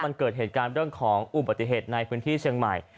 มันเกิดเหตุการณ์เรื่องของอุบัติเหตุในพื้นที่เชียงใหม่